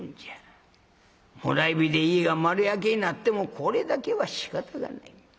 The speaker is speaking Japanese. もらい火で家が丸焼けになってもこれだけはしかたがない。